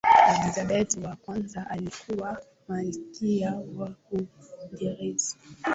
elizabeth wa kwanza alikuwa malkia wa uingereza